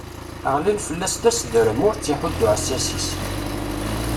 Ɣlin fell-as d aseddrem, ur tt-iḥudd uɛessas-is.